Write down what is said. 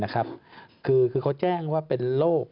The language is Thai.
คือเขาแจ้งว่าเป็นโรค